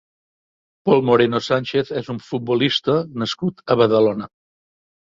Pol Moreno Sánchez és un futbolista nascut a Badalona.